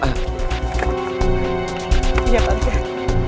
sudah balik ya